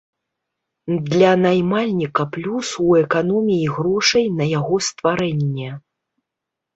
Для наймальніка плюс у эканоміі грошай на яго стварэнне.